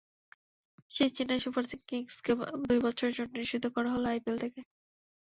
সেই চেন্নাই সুপার কিংসকে দুই বছরের জন্য নিষিদ্ধ করা হলো আইপিএল থেকে।